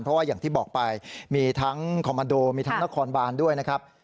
เพราะว่าอย่างที่บอกไปมีทั้งคอมมันโดมีทั้งนครบานด้วยนะครับ